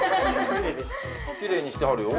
きれいにしてはるよ